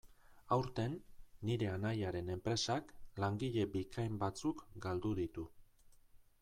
Aurten, nire anaiaren enpresak langile bikain batzuk galdu ditu.